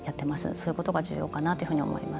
そういうことが重要かなというふうに思います。